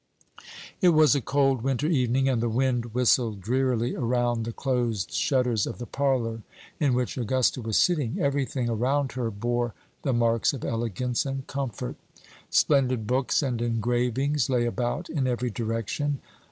It was a cold winter evening, and the wind whistled drearily around the closed shutters of the parlor in which Augusta was sitting. Every thing around her bore the marks of elegance and comfort. Splendid books and engravings lay about in every direction.